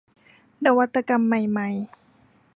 นวัตกรรมใหม่ใหม่